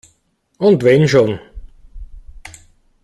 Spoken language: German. Und wenn schon!